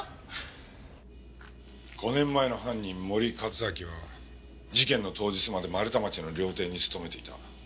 ５年前の犯人森克明は事件の当日まで丸太町の料亭に勤めていた。